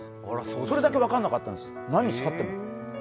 それだけ分からなかったんです、何を使っても。